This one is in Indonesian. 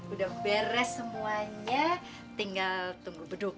udah beres semuanya tinggal tunggu beduk